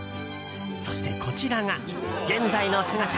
そして、こちらが現在の姿。